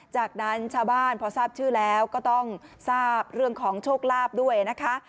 จากนั้นชาวบ้านพอทราบชื่อแล้วก็ต้องทราบเรื่องของโชคลาภด้วยนะคะ